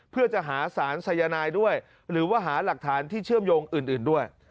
เพื่อจะหาสารสายนายด้วยหรือว่าหาหลักฐานที่เชื่อมโยงอื่นด้วย